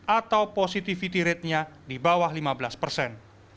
atau positivity ratenya di bawah lima belas persen